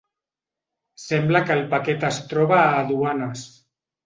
Sembla que el paquet es troba a aduanes.